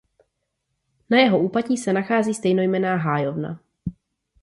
Na jeho úpatí se nachází stejnojmenná hájovna.